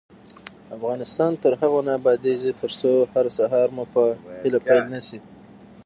افغانستان تر هغو نه ابادیږي، ترڅو هر سهار مو په هیله پیل نشي.